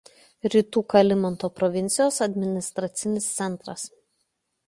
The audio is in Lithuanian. Rytų Kalimantano provincijos administracinis centras.